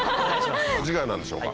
次回は何でしょうか？